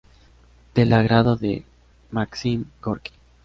Del agrado de Maksim Gorki.